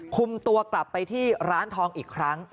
คุมตัวกลับไปที่ร้านทองอีกครั้ง